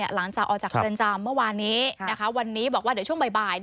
หลังจากออกจากเรือนจำเมื่อวานนี้วันนี้บอกว่าเดี๋ยวช่วงบ่าย